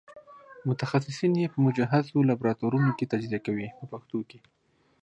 متخصصین یې په مجهزو لابراتوارونو کې تجزیه کوي په پښتو کې.